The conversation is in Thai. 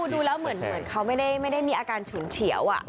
ดูแล้วเหมือนเขาไม่ได้มีอาการฉุนเฉียว